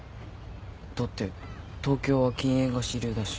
だって東京は禁煙が主流だし。